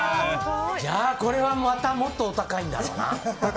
じゃあ、これはもっとお高いんだろうな。